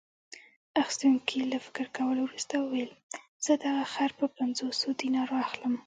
اخیستونکي له فکر کولو وروسته وویل: زه دغه خر په پنځوسو دینارو اخلم.